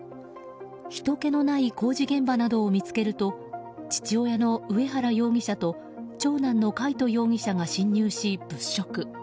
ひとけのない工事現場などを見つけると、父親の上原容疑者と長男の魁斗容疑者が侵入し、物色。